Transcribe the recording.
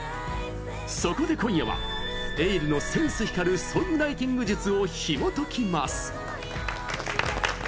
そこで今夜はｅｉｌｌのセンス光るソングライティング術をひもときます！